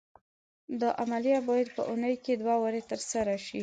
دا عملیه باید په اونۍ کې دوه وارې تر سره شي.